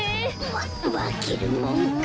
ままけるもんか！